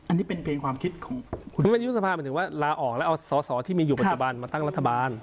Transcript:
อันนี้เป็นเพลงความคิดของราออกแล้วเอาสอสอที่มีอยู่ปัจจับันมาตั้งรัฐบาล